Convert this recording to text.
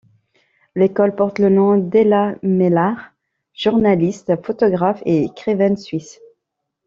L'école porte le nom d'Ella Maillart, journaliste, photographe et écrivaine suisse.